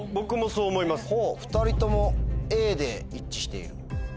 ２人ともＡで一致している。